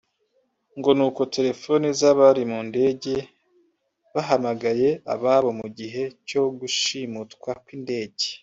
ngo ni uko telefoni z’abari mu ndege bahamagaye ababo mu gihe cyo gushimutwa kw’indege